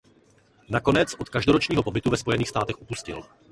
Nakonec od každoročního pobytu ve Spojených státech upustil.